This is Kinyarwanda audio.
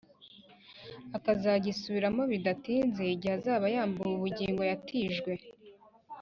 akazagisubiramo bidatinze, igihe azaba yambuwe ubugingo yatijwe.